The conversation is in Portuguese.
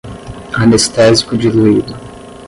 anestésico diluído